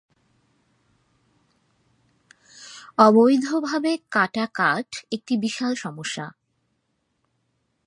অবৈধভাবে কাটা কাঠ একটি বিশাল সমস্যা।